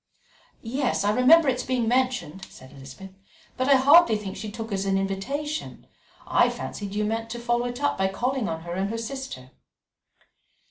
"Yes, I remember its being mentioned," said Elizabeth, "but I hardly think she took it as an invitation. I fancied you meant to follow it up by calling on her and her sister."